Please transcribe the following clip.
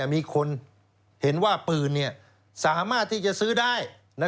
มีคนเห็นว่าปืนสามารถที่จะซื้อได้